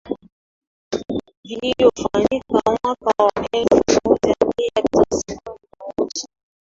Yaliyofanyika mwaka wa elfu moja mia tisa kumi na moja